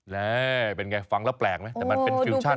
แล้วเป็นไงฟังแล้วแปลกนะแต่มันเป็นฟิวชั่น